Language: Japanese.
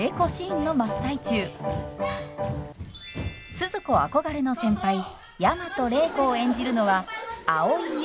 スズ子憧れの先輩大和礼子を演じるのは蒼井優さん。